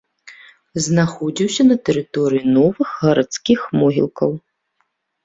Знаходзіўся на тэрыторыі новых гарадскіх могілкаў.